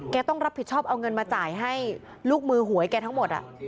ต้องรับผิดชอบเอาเงินมาจ่ายให้ลูกมือหวยแกทั้งหมด